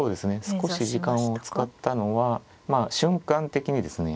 少し時間を使ったのは瞬間的にですね